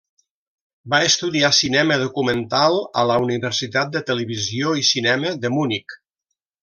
Va estudiar cinema documental a la Universitat de Televisió i Cinema de Munic.